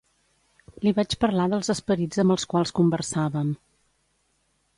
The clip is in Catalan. Li vaig parlar dels esperits amb els quals conversàvem.